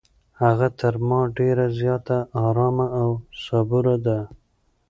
هغه تر ما ډېره زیاته ارامه او صبوره ده.